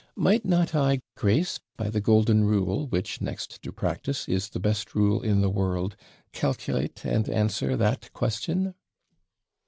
Might not I, Grace, by the golden rule, which, next to practice, is the best rule in the world, calculate and answer that question?'